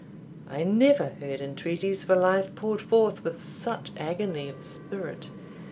I never heard entreaties for life poured forth with such agony of spirit.